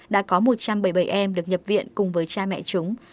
đã có một trăm bảy mươi bảy em được nhập viện cùng với cha mẹ chúng